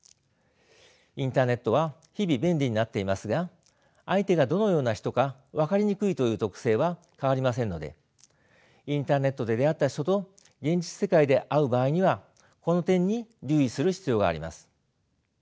インターネットは日々便利になっていますが相手がどのような人か分かりにくいという特性は変わりませんのでインターネットで出会った人と現実世界で会う場合にはこの点に留意する必要があります。